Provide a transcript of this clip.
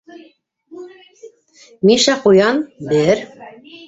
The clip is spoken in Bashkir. - Миша Ҡуян - бер.